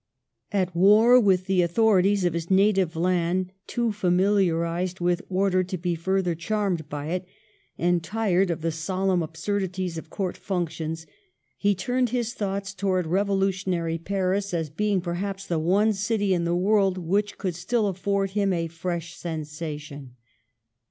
At war with the authorities of his native land, too familiarized with order to be further charmed by it, and tired of the solemn absurdities of Court functions, he turned his thoughts towards revolu tionary Paris as being, perhaps, the one city in the world which could still afford him afresh sen sation.